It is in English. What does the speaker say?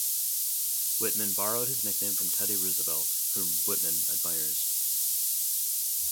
Wittmann borrowed his nickname from Teddy Roosevelt, whom Wittmann admires.